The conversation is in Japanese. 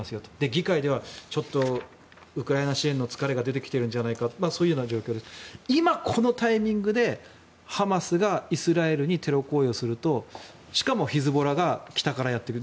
議会ではちょっとウクライナ支援の疲れが出てきているんじゃないかとそういう状況で今、このタイミングでハマスがイスラエルにテロ攻撃をするとしかもヒズボラが北からやってくる。